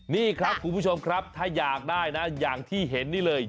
นี่ครับคุณผู้ชมครับถ้าอยากได้นะอย่างที่เห็นนี่เลย